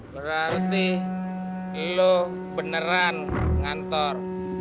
berarti lo beneran ngantor